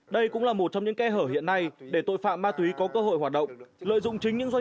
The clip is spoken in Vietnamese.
đây cũng là một trong những kẽ hở hiện nay để tội phạm ma túy có cơ hội hoạt động lợi dụng chính những doanh